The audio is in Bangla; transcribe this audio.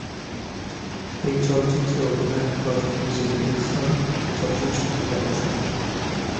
এই চলচ্চিত্রে অভিনয়ের পরে জিন ডিক্সন চলচ্চিত্র থেকে অবসর নেন।